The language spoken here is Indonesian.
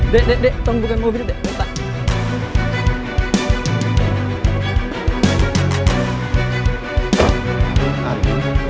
dek dek dek tolong buka mobil dek